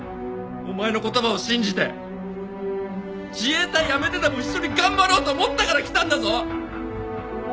お前の言葉を信じて自衛隊辞めてでも一緒に頑張ろうと思ったから来たんだぞ！